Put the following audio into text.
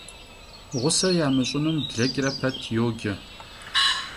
Ğuse yamış'ınum bleç're pet yoce.